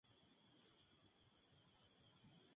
Posee un estilo neogótico con influencias escocesas o inglesas.